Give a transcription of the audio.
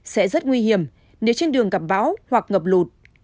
sẽ rất nguy hiểm nếu trên đường gặp bão hoặc ngập lụt